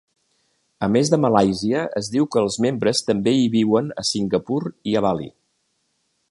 A més de Malàisia, es diu que els membres també hi viuen a Singapur i a Bali.